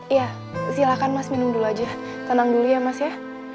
iya silakan mas minum dulu aja tenang dulu ya mas ya